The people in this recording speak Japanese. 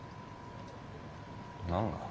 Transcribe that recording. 何が？